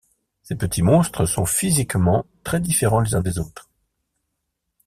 Ces petits monstres sont physiquement très différents les uns des autres.